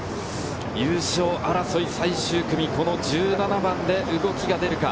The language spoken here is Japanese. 優勝争い最終組、１７番で動きが出るか。